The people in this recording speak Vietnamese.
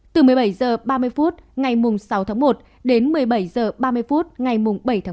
từ một mươi bảy h ba mươi phút ngày sáu tháng một đến một mươi bảy h ba mươi phút ngày bảy tháng một